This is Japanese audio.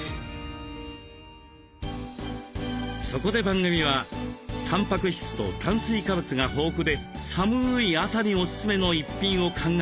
そこで番組はたんぱく質と炭水化物が豊富で寒い朝にオススメの一品を考えてみました。